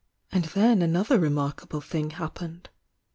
And then another remarkable thing happened.